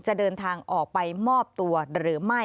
จะเดินทางออกไปมอบตัวหรือไม่